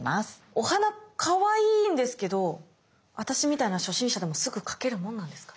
お花かわいいんですけど私みたいな初心者でもすぐ描けるもんなんですか？